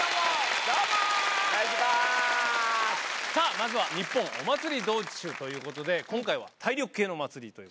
まずは「ニッポンお祭り道中」ということで今回は体力系の祭りという。